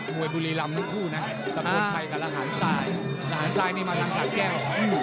มวยบุรีรำทั้งคู่นะประโยชน์ใช้กับละหารทรายละหารทรายนี่มาทั้งสามแก้ว